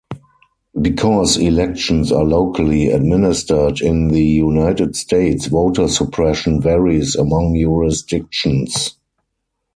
Because elections are locally administered in the United States, voter suppression varies among jurisdictions.